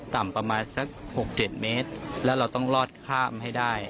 ต่ำประมาณสัก๖๗เมตรแล้วเราต้องรอดข้ามให้ได้